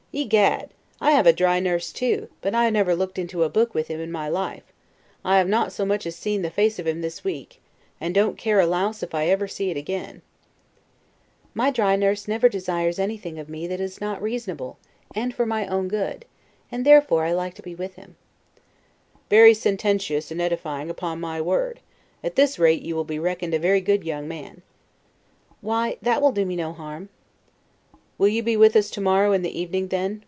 Egad I have a dry nurse too, but I never looked into a book with him in my life; I have not so much as seen the face of him this week, and don't care a louse if I never see it again. Stanhope. My dry nurse never desires anything of me that is not reasonable, and for my own good; and therefore I like to be with him. Englishman. Very sententious and edifying, upon my word! at this rate you will be reckoned a very good young man. Stanhope. Why, that will do me no harm. Englishman. Will you be with us to morrow in the evening, then?